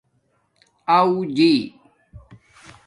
اَݸجی